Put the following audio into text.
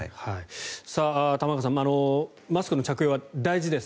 玉川さんマスクの着用は大事です。